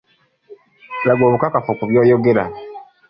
Laga obukakafu ku by'oyogera.